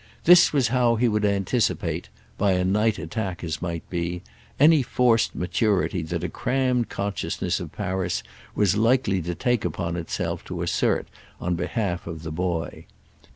This was how he would anticipate—by a night attack, as might be—any forced maturity that a crammed consciousness of Paris was likely to take upon itself to assert on behalf of the boy.